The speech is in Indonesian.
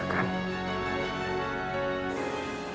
aku percaya mereka